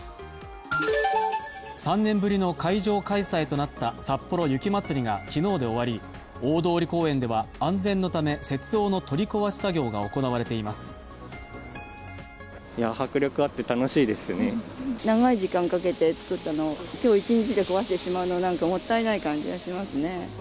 ３年ぶりの会場開催となったさっぽろ雪まつりが昨日で終わり、大通公園では安全のため雪像の取り壊し作業が行われています。